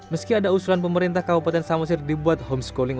meski ada usulan pemerintah kabupaten samosir dibuat homeschooling